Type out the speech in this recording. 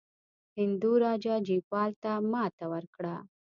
هندو راجا جیپال ته ماته ورکړه.